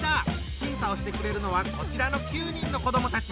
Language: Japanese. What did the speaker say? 審査をしてくれるのはこちらの９人の子どもたち。